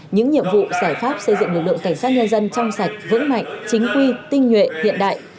những nhiệm vụ giải pháp xây dựng lực lượng cảnh sát nhân dân trong sạch vững mạnh chính quy tinh nhuệ hiện đại